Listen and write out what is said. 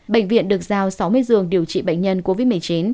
bệnh viện được giao sáu mươi giường điều trị bệnh nhân covid một mươi chín